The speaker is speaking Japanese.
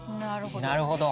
なるほど。